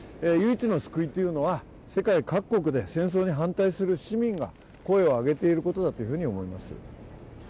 唯一の救いというのは、世界各国で戦争に反対する市民が声を上げていることだと思います。